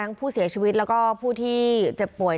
ผู้เสียชีวิตแล้วก็ผู้ที่เจ็บป่วย